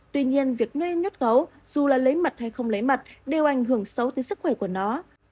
tuy nhiên việc nuôi nhốt gấu dù là lấy mật hay không lấy mật đều ảnh hưởng xấu tới sức khỏe của nó